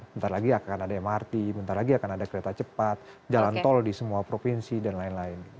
bentar lagi akan ada mrt bentar lagi akan ada kereta cepat jalan tol di semua provinsi dan lain lain